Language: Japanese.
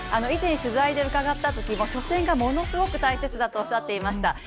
以前取材で伺ったときも初戦がものすごく大切だと話していました。